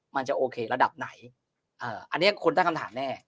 มันจะโอเคระดับไหนอันนี้คนตั้งคำถามแน่